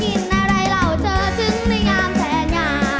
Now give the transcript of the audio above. กินอะไรเราเจอถึงได้งามแทนอย่าง